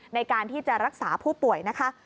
ในการที่จะรักษาผู้ป่วยนะคะ